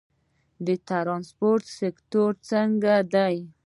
د ترانسپورت سکتور څنګه دی؟